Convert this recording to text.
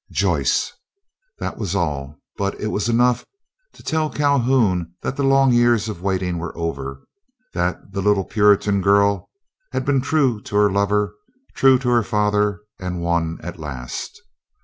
"Joyce." That was all, but it was enough to tell Calhoun that the long years of waiting were over, that the little Puritan girl had been true to her lover, true to her father, and won at last.